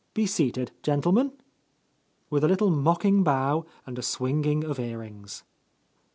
Be seated, gentlemen!" with a little mocking bow and a swinging of earrings.